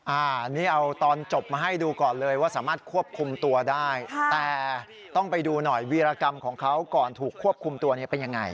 อันนี้เอาตอนจบมาให้ดูก่อนเลยว่าสามารถควบคุมตัวได้แต่ต้องไปดูหน่อยวีรกรรมของเขาก่อนถูกควบคุมตัวเนี่ยเป็นยังไง